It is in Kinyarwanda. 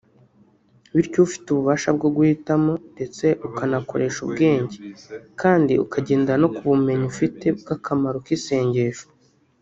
bityo ufite ububasha bwo guhitamo ndetse ukanakoresha ubwenge kandi ukagendera no ku bumenyi ufite bw’akamaro k’isengesho